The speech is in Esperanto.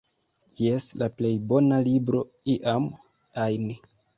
Jes, la plej bona libro iam ajn